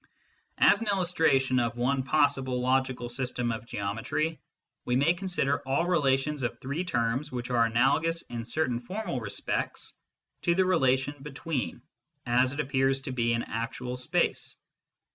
As an illustration of one possible logical system of geometry we may consider all relations of three terms which are analogous in certain formal respects to the relation " between " as it appears to be in actual space.